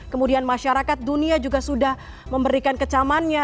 kemudian masyarakat dunia juga sudah memberikan kecamannya